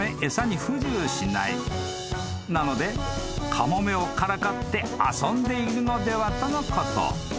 ［なのでカモメをからかって遊んでいるのではとのこと］